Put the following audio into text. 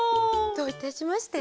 どういたしまして。